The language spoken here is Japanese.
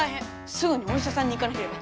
すぐにおいしゃさんに行かなければ！